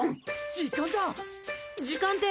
時間だ！